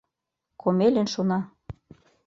Комелин шона.